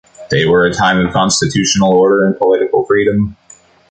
They were a time of constitutional order and political freedom.